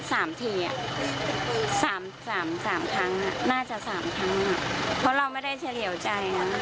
สามทีอ่ะสามสามสามครั้งอ่ะน่าจะสามครั้งอ่ะเพราะเราไม่ได้เฉลี่ยวใจนะ